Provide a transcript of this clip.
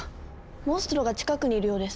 モンストロが近くにいるようです。